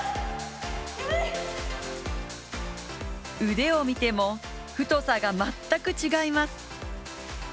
腕を見ても、太さが全く違います。